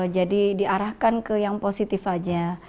jadi diarahkan ke yang positif aja